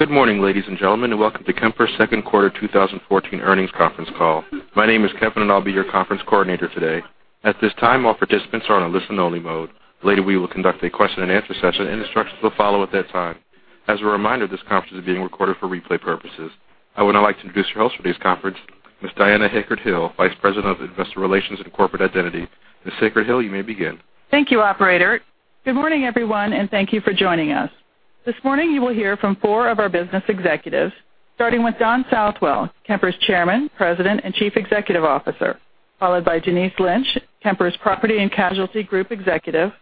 Good morning, ladies and gentlemen, welcome to Kemper's second quarter 2014 earnings conference call. My name is Kevin, I'll be your conference coordinator today. At this time, all participants are on a listen-only mode. Later, we will conduct a question-and-answer session, instructions will follow at that time. As a reminder, this conference is being recorded for replay purposes. I would now like to introduce your host for today's conference, Ms. Diana Hickert-Hill, Vice President of Investor Relations and Corporate Identity. Ms. Hickert-Hill, you may begin. Thank you, operator. Good morning, everyone, thank you for joining us. This morning, you will hear from four of our business executives, starting with Don Southwell, Kemper's Chairman, President, and Chief Executive Officer, followed by Denise Lynch, Kemper's Property and Casualty Group Executive,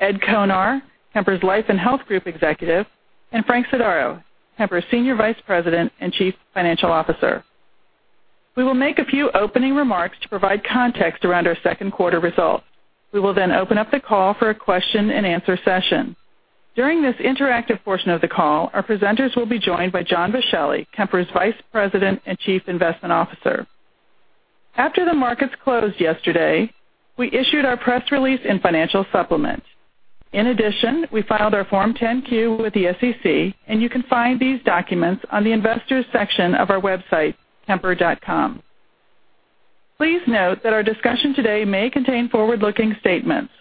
Ed Konar, Kemper's Life and Health Group Executive, and Frank Sodaro, Kemper's Senior Vice President and Chief Financial Officer. We will make a few opening remarks to provide context around our second quarter results. We will open up the call for a question-and-answer session. During this interactive portion of the call, our presenters will be joined by John Vischelli, Kemper's Vice President and Chief Investment Officer. After the markets closed yesterday, we issued our press release and financial supplement. In addition, we filed our Form 10-Q with the SEC, you can find these documents on the investors section of our website, kemper.com. Please note that our discussion today may contain forward-looking statements.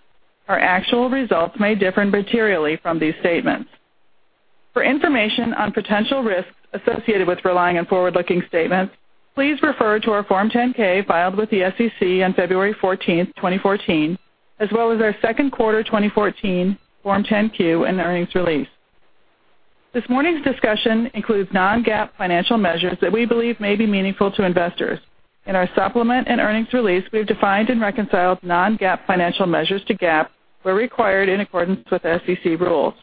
Our actual results may differ materially from these statements. For information on potential risks associated with relying on forward-looking statements, please refer to our Form 10-K filed with the SEC on February 14, 2014, as well as our second quarter 2014 Form 10-Q and earnings release. This morning's discussion includes non-GAAP financial measures that we believe may be meaningful to investors. In our supplement and earnings release, we've defined and reconciled non-GAAP financial measures to GAAP, where required in accordance with SEC rules.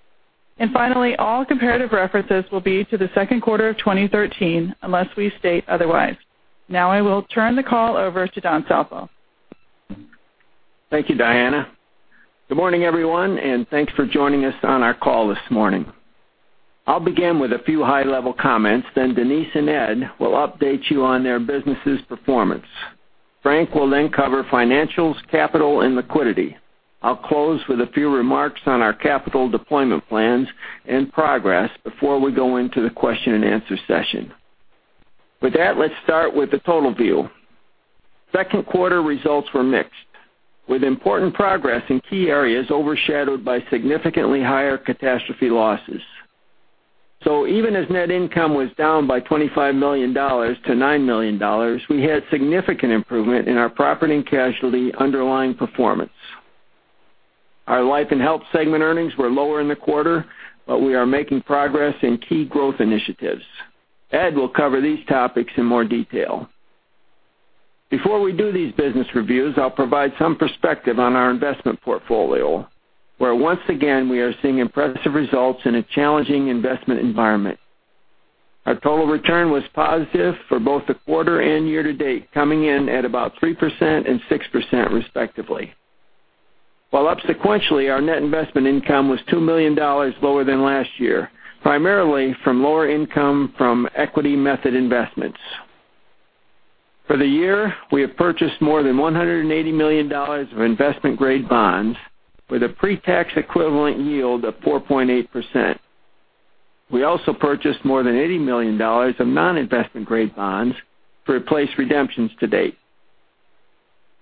Finally, all comparative references will be to the second quarter of 2013 unless we state otherwise. I will turn the call over to Don Southwell. Thank you, Diana. Good morning, everyone, thanks for joining us on our call this morning. I'll begin with a few high-level comments, Denise and Ed will update you on their businesses' performance. Frank will cover financials, capital, and liquidity. I'll close with a few remarks on our capital deployment plans and progress before we go into the question-and-answer session. Let's start with the total view. Second quarter results were mixed, with important progress in key areas overshadowed by significantly higher catastrophe losses. Even as net income was down by $25 million to $9 million, we had significant improvement in our property and casualty underlying performance. Our Life and Health segment earnings were lower in the quarter, we are making progress in key growth initiatives. Ed will cover these topics in more detail. Before we do these business reviews, I'll provide some perspective on our investment portfolio, where once again, we are seeing impressive results in a challenging investment environment. Our total return was positive for both the quarter and year to date, coming in at about 3% and 6% respectively. While up sequentially, our net investment income was $2 million lower than last year, primarily from lower income from equity method investments. For the year, we have purchased more than $180 million of investment-grade bonds with a pre-tax equivalent yield of 4.8%. We also purchased more than $80 million of non-investment-grade bonds to replace redemptions to date.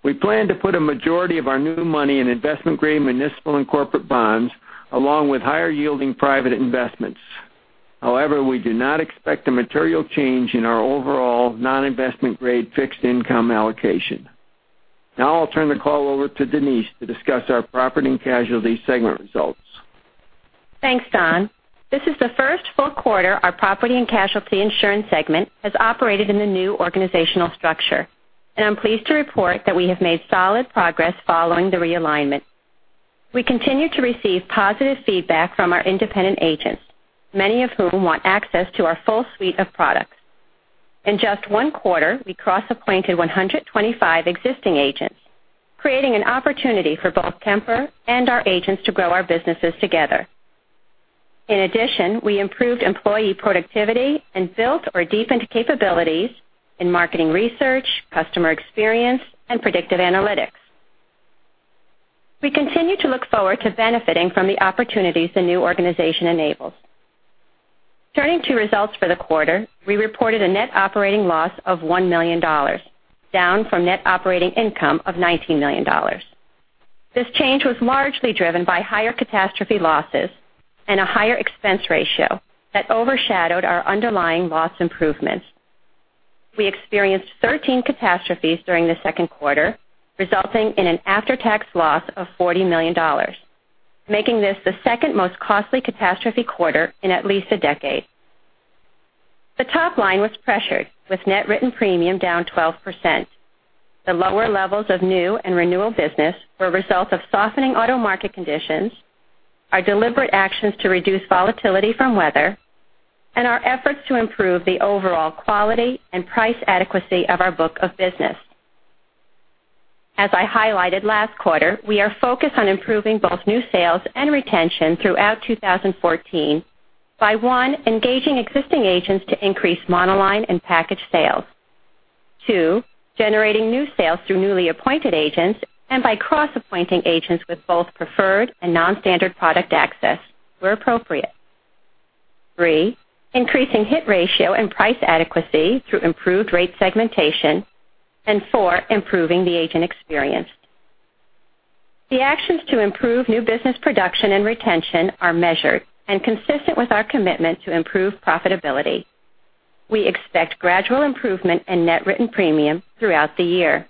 We plan to put a majority of our new money in investment-grade municipal and corporate bonds, along with higher yielding private investments. However, we do not expect a material change in our overall non-investment-grade fixed income allocation. Now I'll turn the call over to Denise to discuss our property and casualty segment results. Thanks, Don. This is the first full quarter our property and casualty insurance segment has operated in the new organizational structure, and I'm pleased to report that we have made solid progress following the realignment. We continue to receive positive feedback from our independent agents, many of whom want access to our full suite of products. In just one quarter, we cross-appointed 125 existing agents, creating an opportunity for both Kemper and our agents to grow our businesses together. In addition, we improved employee productivity and built or deepened capabilities in marketing research, customer experience, and predictive analytics. We continue to look forward to benefiting from the opportunities the new organization enables. Turning to results for the quarter, we reported a net operating loss of $1 million, down from net operating income of $19 million. This change was largely driven by higher catastrophe losses and a higher expense ratio that overshadowed our underlying loss improvements. We experienced 13 catastrophes during the second quarter, resulting in an after-tax loss of $40 million, making this the second most costly catastrophe quarter in at least a decade. The top line was pressured, with net written premium down 12%. The lower levels of new and renewal business were a result of softening auto market conditions, our deliberate actions to reduce volatility from weather, and our efforts to improve the overall quality and price adequacy of our book of business. As I highlighted last quarter, we are focused on improving both new sales and retention throughout 2014 by, one, engaging existing agents to increase monoline and package sales. Two, generating new sales through newly appointed agents and by cross-appointing agents with both preferred and non-standard product access where appropriate. Three, increasing hit ratio and price adequacy through improved rate segmentation. Four, improving the agent experience. The actions to improve new business production and retention are measured and consistent with our commitment to improve profitability. We expect gradual improvement in net written premium throughout the year.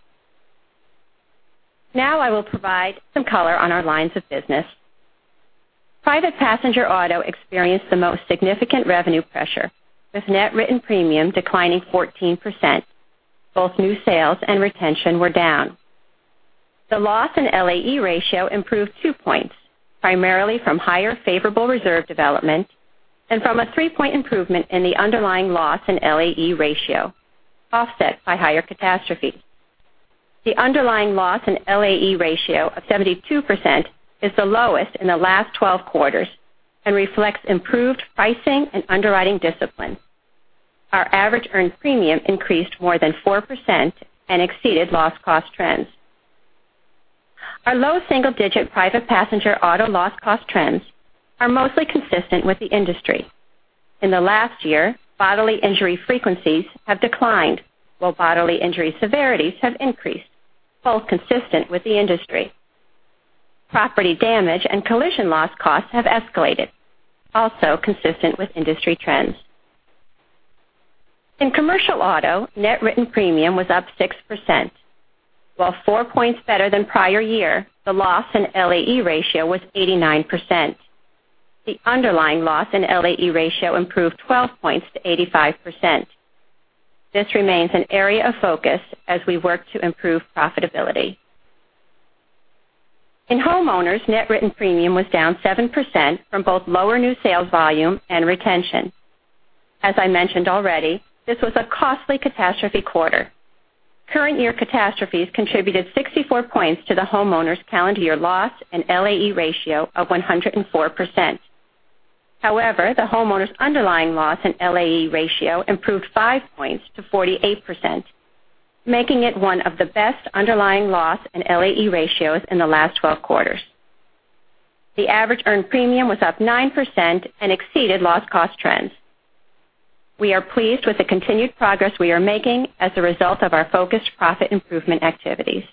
Now I will provide some color on our lines of business. Private passenger auto experienced the most significant revenue pressure, with net written premium declining 14%. Both new sales and retention were down. The loss and LAE ratio improved two points, primarily from higher favorable reserve development and from a three-point improvement in the underlying loss in LAE ratio, offset by higher catastrophe. The underlying loss in LAE ratio of 72% is the lowest in the last 12 quarters and reflects improved pricing and underwriting discipline. Our average earned premium increased more than 4% and exceeded loss cost trends. Our low single-digit private passenger auto loss cost trends are mostly consistent with the industry. In the last year, bodily injury frequencies have declined while bodily injury severities have increased, both consistent with the industry. Property damage and collision loss costs have escalated, also consistent with industry trends. In commercial auto, net written premium was up 6%. While four points better than prior year, the loss in LAE ratio was 89%. The underlying loss in LAE ratio improved 12 points to 85%. This remains an area of focus as we work to improve profitability. In homeowners, net written premium was down 7% from both lower new sales volume and retention. As I mentioned already, this was a costly catastrophe quarter. Current year catastrophes contributed 64 points to the homeowners' calendar year loss and LAE ratio of 104%. The homeowners' underlying loss and LAE ratio improved five points to 48%, making it one of the best underlying loss in LAE ratios in the last 12 quarters. The average earned premium was up 9% and exceeded loss cost trends. We are pleased with the continued progress we are making as a result of our focused profit improvement activities.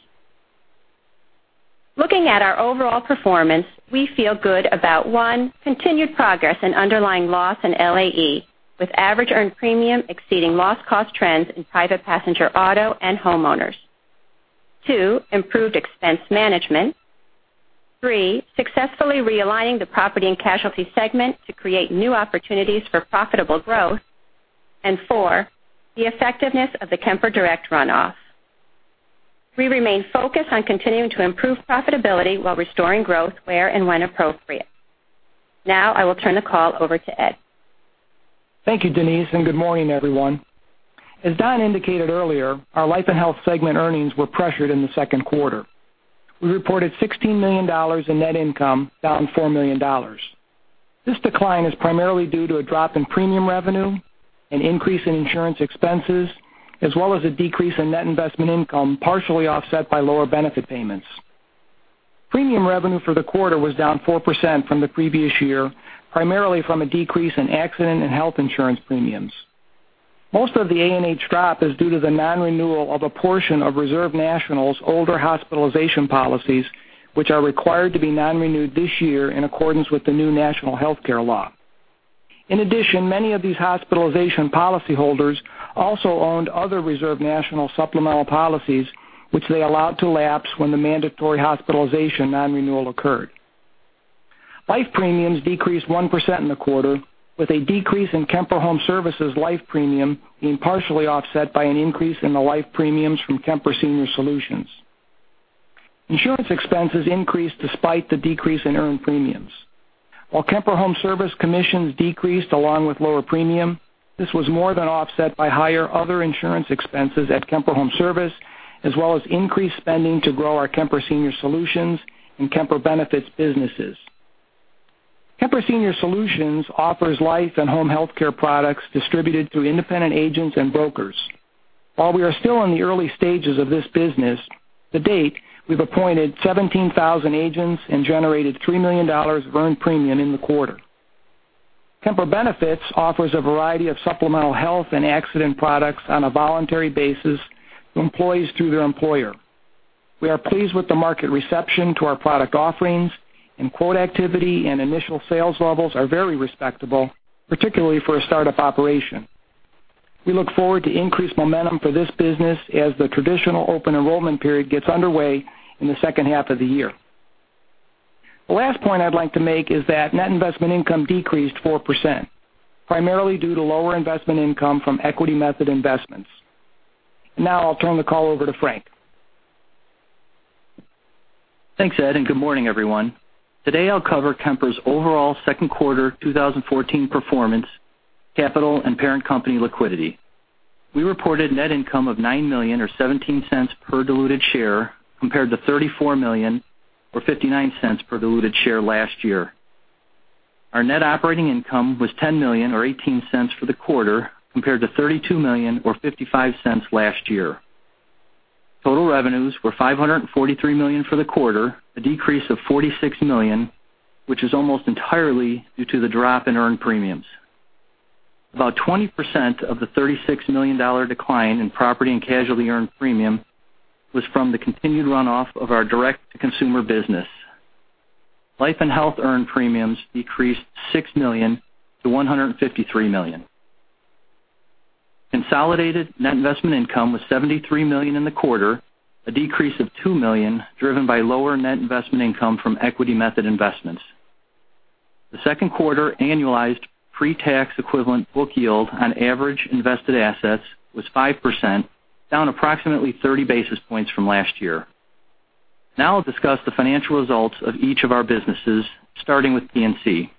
Looking at our overall performance, we feel good about, one, continued progress in underlying loss in LAE, with average earned premium exceeding loss cost trends in private passenger auto and homeowners. Two, improved expense management. Three, successfully realigning the Property and Casualty segment to create new opportunities for profitable growth. Four, the effectiveness of the Kemper Direct runoff. We remain focused on continuing to improve profitability while restoring growth where and when appropriate. Now I will turn the call over to Ed. Thank you, Denise, and good morning, everyone. As Don indicated earlier, our Life and Health segment earnings were pressured in the second quarter. We reported $16 million in net income, down $4 million. This decline is primarily due to a drop in premium revenue, an increase in insurance expenses, as well as a decrease in net investment income partially offset by lower benefit payments. Premium revenue for the quarter was down 4% from the previous year, primarily from a decrease in Accident and Health insurance premiums. Most of the A&H drop is due to the non-renewal of a portion of Reserve National's older hospitalization policies, which are required to be non-renewed this year in accordance with the new national healthcare law. In addition, many of these hospitalization policyholders also owned other Reserve National supplemental policies, which they allowed to lapse when the mandatory hospitalization non-renewal occurred. Life premiums decreased 1% in the quarter, with a decrease in Kemper Home Service's life premium being partially offset by an increase in the life premiums from Kemper Senior Solutions. Insurance expenses increased despite the decrease in earned premiums. While Kemper Home Service commissions decreased along with lower premium, this was more than offset by higher other insurance expenses at Kemper Home Service, as well as increased spending to grow our Kemper Senior Solutions and Kemper Benefits businesses. Kemper Senior Solutions offers life and home healthcare products distributed through independent agents and brokers. While we are still in the early stages of this business, to date, we've appointed 17,000 agents and generated $3 million of earned premium in the quarter. Kemper Benefits offers a variety of supplemental health and accident products on a voluntary basis to employees through their employer. We are pleased with the market reception to our product offerings, quote activity and initial sales levels are very respectable, particularly for a startup operation. We look forward to increased momentum for this business as the traditional open enrollment period gets underway in the second half of the year. The last point I'd like to make is that net investment income decreased 4%, primarily due to lower investment income from equity method investments. I'll turn the call over to Frank. Thanks, Ed, and good morning, everyone. Today, I'll cover Kemper's overall second quarter 2014 performance, capital, and parent company liquidity. We reported net income of $9 million or $0.17 per diluted share, compared to $34 million or $0.59 per diluted share last year. Our net operating income was $10 million, or $0.18 for the quarter, compared to $32 million, or $0.55 last year. Total revenues were $543 million for the quarter, a decrease of $46 million, which is almost entirely due to the drop in earned premiums. About 20% of the $36 million decline in property and casualty earned premium was from the continued runoff of our direct-to-consumer business. Life and health earned premiums decreased $6 million to $153 million. Consolidated net investment income was $73 million in the quarter, a decrease of $2 million driven by lower net investment income from equity method investments. The second quarter annualized pre-tax equivalent book yield on average invested assets was 5%, down approximately 30 basis points from last year. I'll discuss the financial results of each of our businesses, starting with P&C.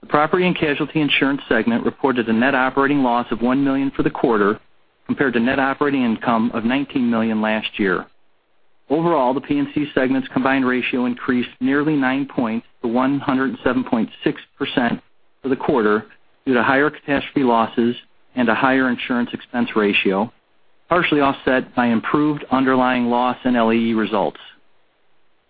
The property and casualty insurance segment reported a net operating loss of $1 million for the quarter, compared to net operating income of $19 million last year. Overall, the P&C segment's combined ratio increased nearly nine points to 107.6% for the quarter due to higher catastrophe losses and a higher insurance expense ratio, partially offset by improved underlying loss and LAE results.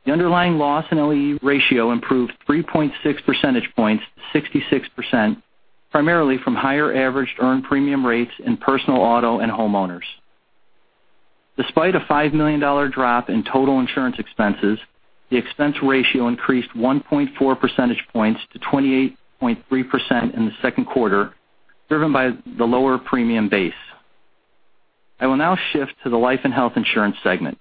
The underlying loss and LAE ratio improved 3.6 percentage points to 66%, primarily from higher average earned premium rates in personal auto and homeowners. Despite a $5 million drop in total insurance expenses, the expense ratio increased 1.4 percentage points to 28.3% in the second quarter, driven by the lower premium base. I will now shift to the life and health insurance segment.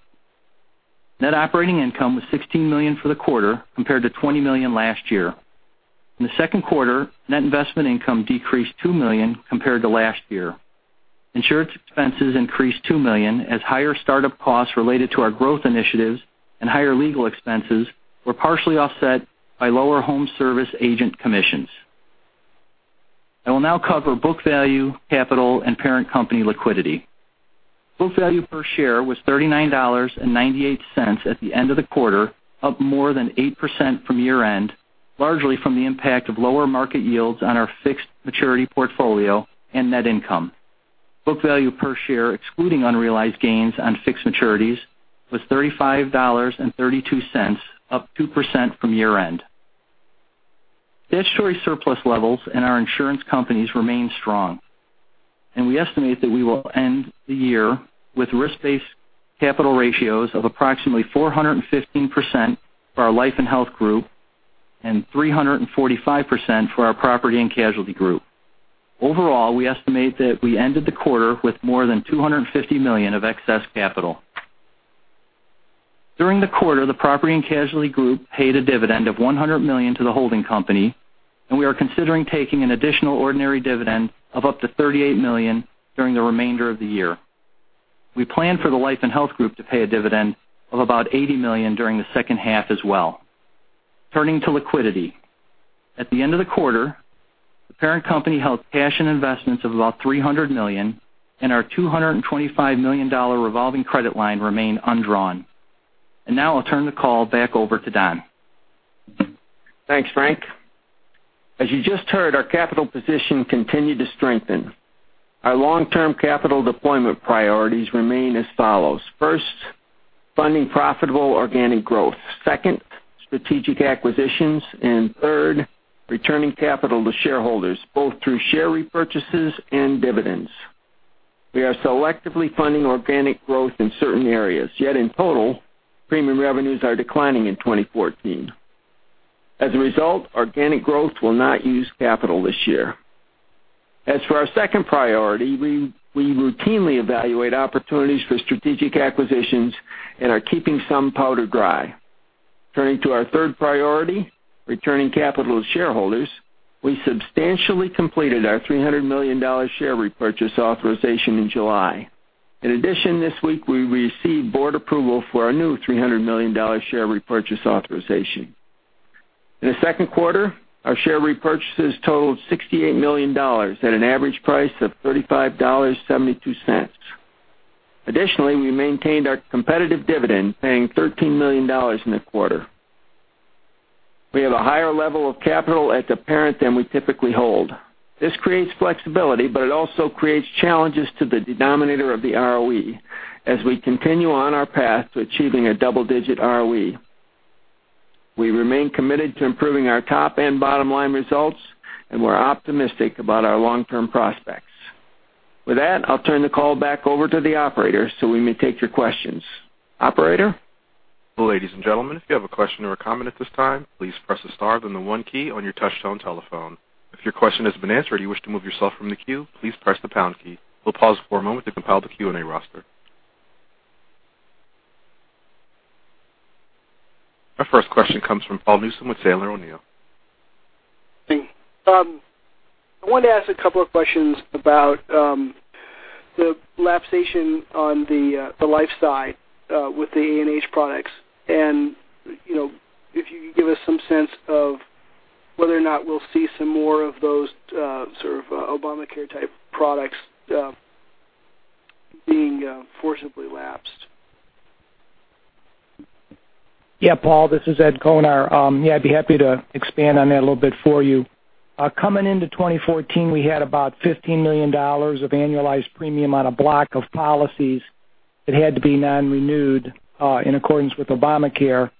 Net operating income was $16 million for the quarter, compared to $20 million last year. In the second quarter, net investment income decreased $2 million compared to last year. Insurance expenses increased $2 million as higher startup costs related to our growth initiatives and higher legal expenses were partially offset by lower home service agent commissions. I will now cover book value, capital, and parent company liquidity. Book value per share was $39.98 at the end of the quarter, up more than 8% from year-end, largely from the impact of lower market yields on our fixed maturity portfolio and net income. Book value per share excluding unrealized gains on fixed maturities was $35.32, up 2% from year-end. Statutory surplus levels in our insurance companies remain strong. We estimate that we will end the year with risk-based capital ratios of approximately 415% for our life and health group and 345% for our property and casualty group. Overall, we estimate that we ended the quarter with more than $250 million of excess capital. During the quarter, the property and casualty group paid a dividend of $100 million to the holding company. We are considering taking an additional ordinary dividend of up to $38 million during the remainder of the year. We plan for the life and health group to pay a dividend of about $80 million during the second half as well. Turning to liquidity. At the end of the quarter, the parent company held cash and investments of about $300 million, and our $225 million revolving credit line remained undrawn. Now I'll turn the call back over to Don. Thanks, Frank. As you just heard, our capital position continued to strengthen. Our long-term capital deployment priorities remain as follows. First, funding profitable organic growth. Second, strategic acquisitions. Third, returning capital to shareholders, both through share repurchases and dividends. We are selectively funding organic growth in certain areas. Yet in total, premium revenues are declining in 2014. As a result, organic growth will not use capital this year. As for our second priority, we routinely evaluate opportunities for strategic acquisitions and are keeping some powder dry. Turning to our third priority, returning capital to shareholders, we substantially completed our $300 million share repurchase authorization in July. In addition, this week we received board approval for a new $300 million share repurchase authorization. In the second quarter, our share repurchases totaled $68 million at an average price of $35.72. Additionally, we maintained our competitive dividend, paying $13 million in the quarter. We have a higher level of capital at the parent than we typically hold. This creates flexibility, but it also creates challenges to the denominator of the ROE as we continue on our path to achieving a double-digit ROE. We remain committed to improving our top and bottom line results, and we're optimistic about our long-term prospects. With that, I'll turn the call back over to the operator so we may take your questions. Operator? Ladies and gentlemen, if you have a question or a comment at this time, please press the star then the one key on your touch tone telephone. If your question has been answered or you wish to move yourself from the queue, please press the pound key. We'll pause for a moment to compile the Q&A roster. Our first question comes from Paul Newsome with Sandler O'Neill. I wanted to ask a couple of questions about the lapsation on the life side with the A&H products and if you could give us some sense of whether or not we'll see some more of those sort of Obamacare-type products being forcibly lapsed. Yeah, Paul, this is Ed Konar. Yeah, I'd be happy to expand on that a little bit for you. Coming into 2014, we had about $15 million of annualized premium on a block of policies that had to be non-renewed in accordance with Obamacare.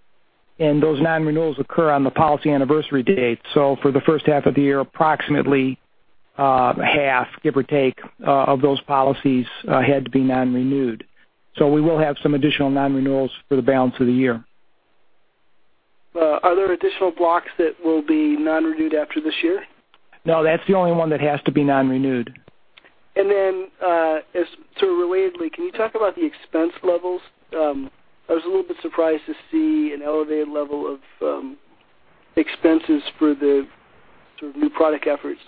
Those non-renewals occur on the policy anniversary date. For the first half of the year, approximately half, give or take, of those policies had to be non-renewed. We will have some additional non-renewals for the balance of the year. Are there additional blocks that will be non-renewed after this year? No, that's the only one that has to be non-renewed. Sort of relatedly, can you talk about the expense levels? I was a little bit surprised to see an elevated level of expenses for the sort of new product efforts.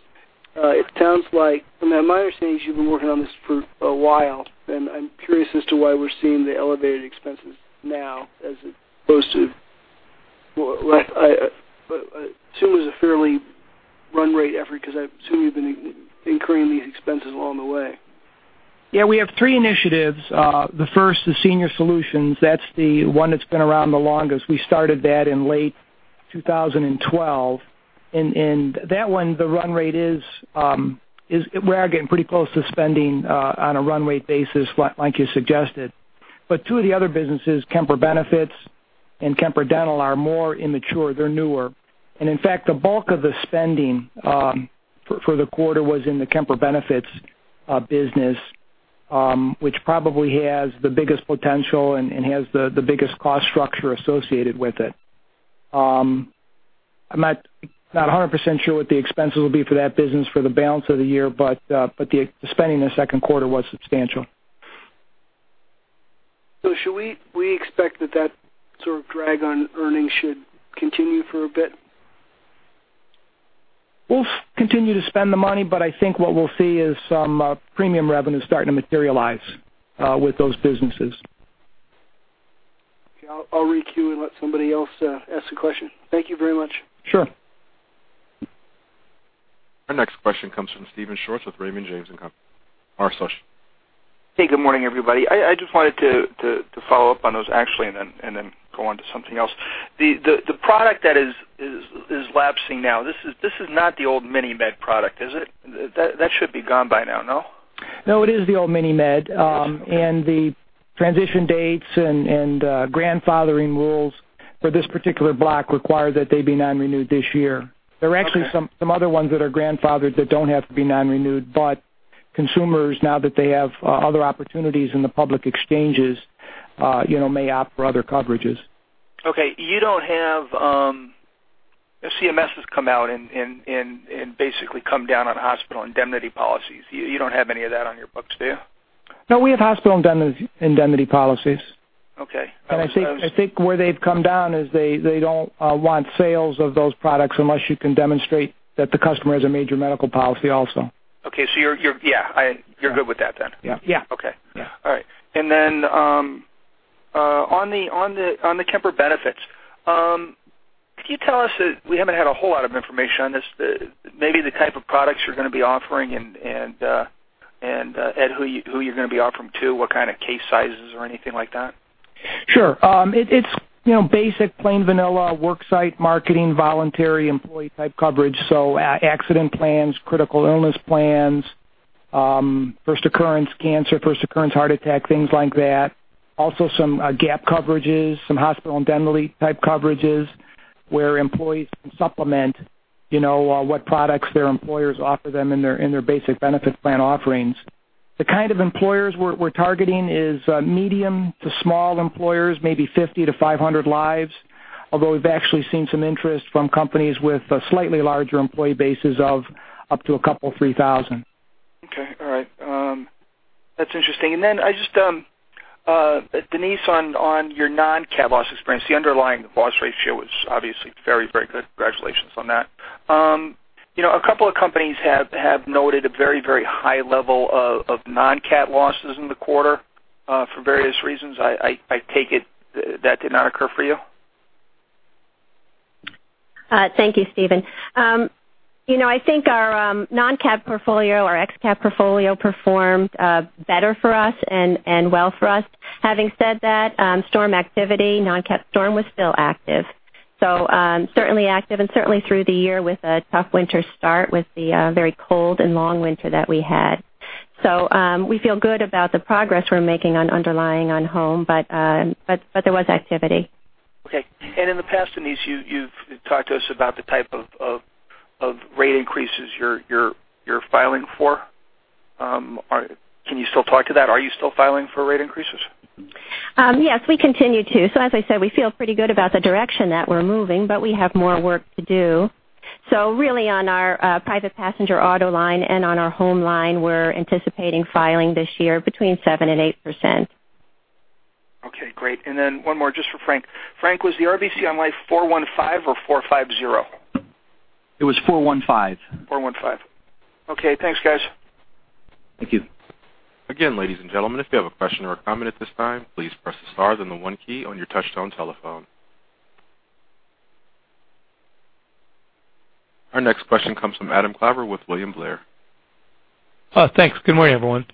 It sounds like, from my understanding, you've been working on this for a while, and I'm curious as to why we're seeing the elevated expenses now as opposed to, I assume it was a fairly run rate effort because I assume you've been incurring these expenses along the way. Yeah, we have three initiatives. The first is Senior Solutions. That's the one that's been around the longest. We started that in late 2012. That one, the run rate is, we are getting pretty close to spending on a run rate basis, like you suggested. Two of the other businesses, Kemper Benefits and Kemper Dental, are more immature. They're newer. In fact, the bulk of the spending for the quarter was in the Kemper Benefits business, which probably has the biggest potential and has the biggest cost structure associated with it. I'm not 100% sure what the expenses will be for that business for the balance of the year, but the spending in the second quarter was substantial. Should we expect that that sort of drag on earnings should continue for a bit? We'll continue to spend the money, but I think what we'll see is some premium revenue starting to materialize with those businesses. Okay. I'll re-queue and let somebody else ask the question. Thank you very much. Sure. Our next question comes from Steven Schwartz with Raymond James & Associates. Hey, good morning, everybody. I just wanted to follow up on those actually, then go on to something else. The product that is lapsing now, this is not the old Mini-med plan product, is it? That should be gone by now, no? No, it is the old Mini-med plan. Okay. The transition dates and grandfathering rules for this particular block require that they be non-renewed this year. Okay. Consumers, now that they have other opportunities in the public exchanges, may opt for other coverages. Okay. CMS has come out and basically come down on hospital indemnity policies. You don't have any of that on your books, do you? No, we have hospital indemnity policies. Okay. I think where they've come down is they don't want sales of those products unless you can demonstrate that the customer has a major medical policy also. Okay. You're good with that then? Yeah. Okay. Yeah. Then on the Kemper Benefits, could you tell us, we haven't had a whole lot of information on this, maybe the type of products you're going to be offering and, Ed, who you're going to be offering to, what kind of case sizes or anything like that? Sure. It's basic plain vanilla work site marketing, voluntary employee type coverage, so accident plans, critical illness plans, first occurrence cancer, first occurrence heart attack, things like that. Also some gap coverages, some hospital indemnity type coverages where employees can supplement what products their employers offer them in their basic benefits plan offerings. The kind of employers we're targeting is medium to small employers, maybe 50 to 500 lives, although we've actually seen some interest from companies with slightly larger employee bases of up to a couple, 3,000. Okay. All right. That's interesting. Then Denise, on your non-cat loss experience, the underlying loss ratio was obviously very good. Congratulations on that. A couple of companies have noted a very high level of non-cat losses in the quarter for various reasons. I take it that did not occur for you. Thank you, Steven. I think our non-cat portfolio or ex-cat portfolio performed better for us and well for us. Having said that, storm activity, non-cat storm was still active. Certainly active and certainly through the year with a tough winter start with the very cold and long winter that we had. We feel good about the progress we're making on underlying on home, but there was activity. Okay. In the past, Denise, you've talked to us about the type of rate increases you're filing for. Can you still talk to that? Are you still filing for rate increases? Yes, we continue to. As I said, we feel pretty good about the direction that we're moving, but we have more work to do. Really on our private passenger auto line and on our home line, we're anticipating filing this year between 7% and 8%. Okay, great. One more just for Frank. Frank, was the RBC on life 415 or 450? It was 415. Okay, thanks, guys. Thank you. Again, ladies and gentlemen, if you have a question or a comment at this time, please press the star then the one key on your touch-tone telephone. Our next question comes from Adam Klauber with William Blair. Thanks. Good morning, everyone.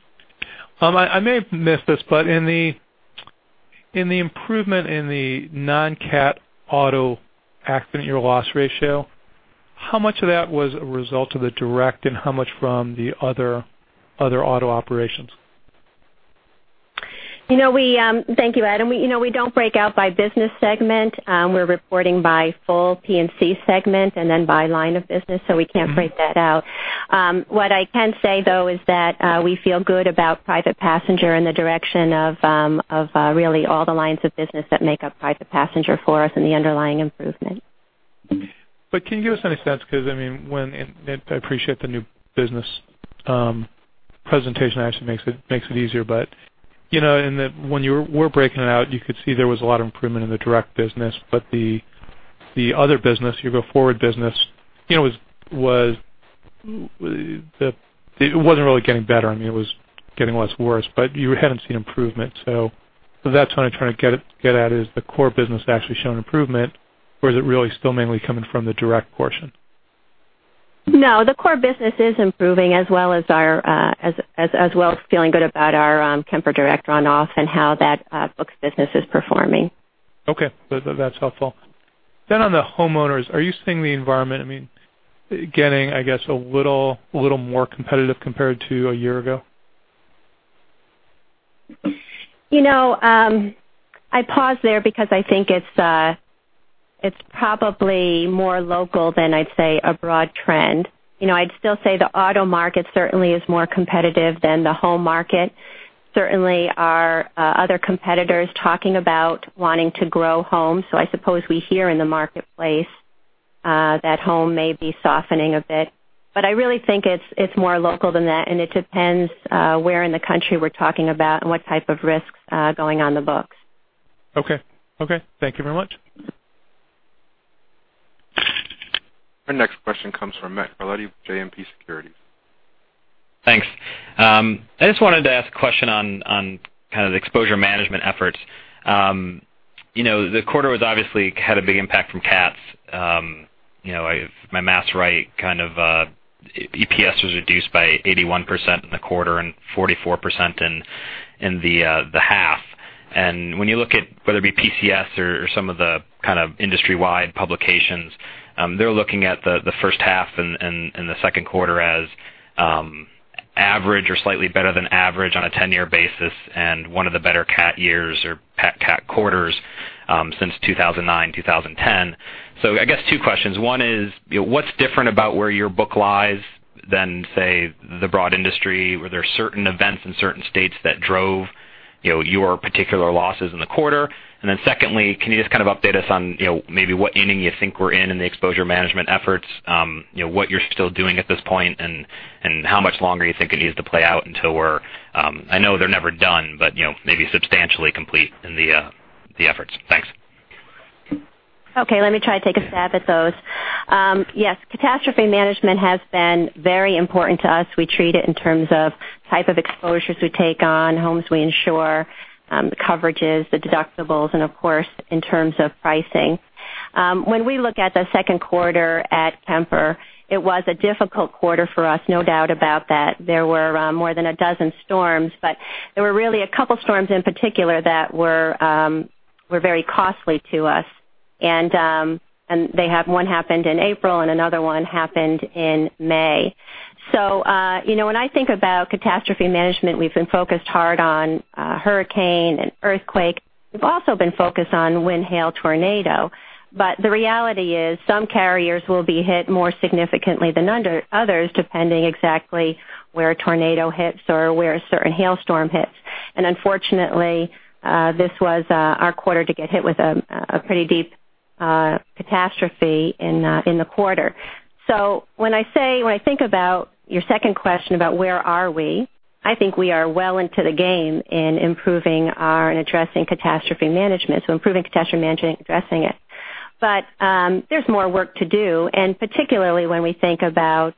I may have missed this, but in the improvement in the non-CAT auto accident year loss ratio, how much of that was a result of the direct and how much from the other auto operations? Thank you, Adam. We don't break out by business segment. We're reporting by full P&C segment and then by line of business, so we can't break that out. What I can say, though, is that we feel good about private passenger and the direction of really all the lines of business that make up private passenger for us and the underlying improvement. Can you give us any sense because when, and I appreciate the new business presentation actually makes it easier. When you were breaking it out, you could see there was a lot of improvement in the direct business, but the other business, your go-forward business, it wasn't really getting better. I mean, it was getting less worse, but you hadn't seen improvement. That's what I'm trying to get at, is the core business actually shown improvement or is it really still mainly coming from the direct portion? No, the core business is improving as well as feeling good about our Kemper Direct runoff and how that books business is performing. Okay. That's helpful. On the homeowners, are you seeing the environment getting, I guess, a little more competitive compared to a year ago? I paused there because I think it's probably more local than I'd say a broad trend. I'd still say the auto market certainly is more competitive than the home market. Certainly our other competitor is talking about wanting to grow home. I suppose we hear in the marketplace that home may be softening a bit. I really think it's more local than that, and it depends where in the country we're talking about and what type of risks going on the books. Okay. Thank you very much. Our next question comes from Matthew Carletti with JMP Securities. Thanks. I just wanted to ask a question on kind of the exposure management efforts. The quarter obviously had a big impact from cats. If my math's right, kind of EPS was reduced by 81% in the quarter and 44% in the half. When you look at whether it be PCS or some of the kind of industry-wide publications, they're looking at the first half and the second quarter as average or slightly better than average on a 10-year basis and one of the better cat years or cat quarters since 2009, 2010. I guess two questions. One is what's different about where your book lies than, say, the broad industry? Were there certain events in certain states that drove your particular losses in the quarter? Secondly, can you just kind of update us on maybe what inning you think we're in the exposure management efforts, what you're still doing at this point, and how much longer you think it needs to play out until we're, I know they're never done, but maybe substantially complete in the efforts. Thanks. Okay, let me try to take a stab at those. Yes, catastrophe management has been very important to us. We treat it in terms of type of exposures we take on, homes we insure, the coverages, the deductibles, and of course, in terms of pricing. When we look at the second quarter at Kemper, it was a difficult quarter for us, no doubt about that. There were more than a dozen storms, but there were really a couple storms in particular that were very costly to us. One happened in April and another one happened in May. When I think about catastrophe management, we've been focused hard on hurricane and earthquake. We've also been focused on wind, hail, tornado. The reality is some carriers will be hit more significantly than others, depending exactly where a tornado hits or where a certain hailstorm hits. Unfortunately, this was our quarter to get hit with a pretty deep catastrophe in the quarter. When I think about your second question about where are we, I think we are well into the game in improving and addressing catastrophe management. Improving catastrophe management, addressing it. There's more work to do, particularly when we think about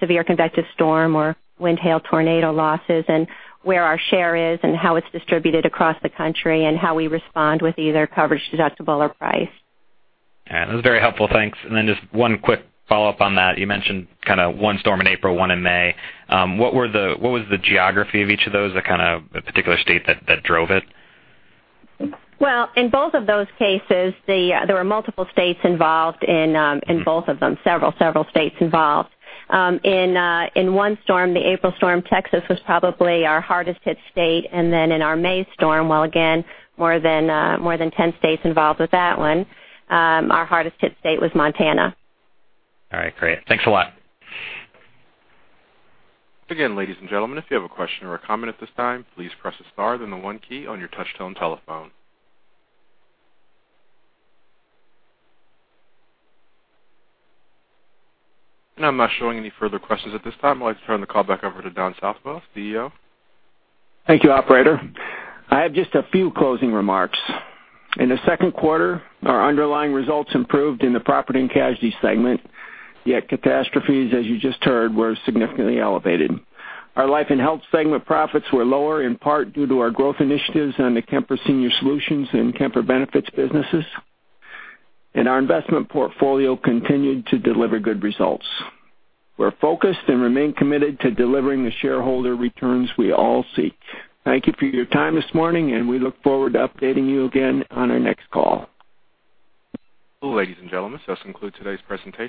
severe convective storm or wind, hail, tornado losses, and where our share is and how it's distributed across the country, and how we respond with either coverage, deductible, or price. All right. That was very helpful. Thanks. Just one quick follow-up on that. You mentioned kind of one storm in April, one in May. What was the geography of each of those? The kind of particular state that drove it? Well, in both of those cases, there were multiple states involved in both of them, several states involved. In one storm, the April storm, Texas was probably our hardest hit state. In our May storm, well, again, more than 10 states involved with that one. Our hardest hit state was Montana. All right, great. Thanks a lot. Again, ladies and gentlemen, if you have a question or a comment at this time, please press the star then the one key on your touchtone telephone. I'm not showing any further questions at this time. I'd like to turn the call back over to Don Southwell, CEO. Thank you, operator. I have just a few closing remarks. In the second quarter, our underlying results improved in the Property and Casualty segment, yet catastrophes, as you just heard, were significantly elevated. Our Life and Health segment profits were lower, in part due to our growth initiatives on the Kemper Senior Solutions and Kemper Benefits businesses. Our investment portfolio continued to deliver good results. We're focused and remain committed to delivering the shareholder returns we all seek. Thank you for your time this morning, and we look forward to updating you again on our next call. Ladies and gentlemen, this concludes today's presentation.